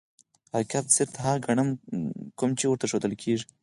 او حقيقت صرف هغه ګڼي کوم چي ورته ښودل کيږي.